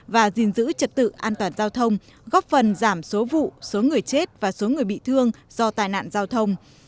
và gìn giữ trật tự an toàn giao thông góp phần giảm số vụ số người chết và số người bị thương do tai nạn giao thông